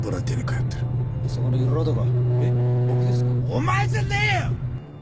お前じゃねえよ！